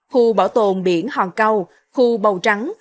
khu bảo tồn biển hòn câu khu bầu trắng